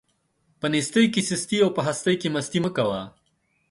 په نيستۍ کې سستي او په هستۍ کې مستي مه کوه.